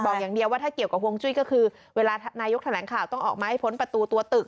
บอกอย่างเดียวว่าถ้าเกี่ยวกับฮวงจุ้ยก็คือเวลานายกแถลงข่าวต้องออกมาให้พ้นประตูตัวตึก